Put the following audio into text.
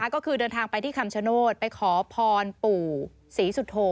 ก็คือเดินทางไปที่คำชโนธไปขอพรปู่ศรีสุโธ